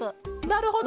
なるほど！